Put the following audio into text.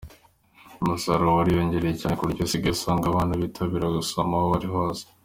Umusaruro wariyongereye cyane ku buryo usigaye usanga abana bitabira gusoma aho bari hose.